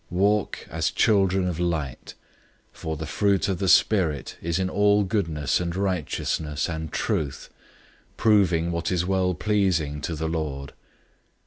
Walk as children of light, 005:009 for the fruit of the Spirit is in all goodness and righteousness and truth, 005:010 proving what is well pleasing to the Lord.